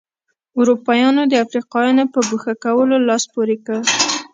اروپایانو د افریقایانو په ګوښه کولو لاس پورې کړ.